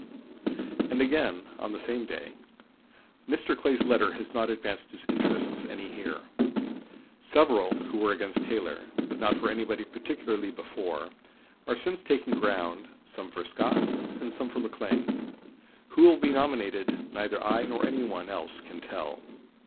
And again on the same day: "Mr. Clay's letter has not advanced his interests any here. Several who were against Taylor, but not for anybody particularly before, are since taking ground, some for Scott and some for McLean. Who will be nominated neither I nor any one else can tell.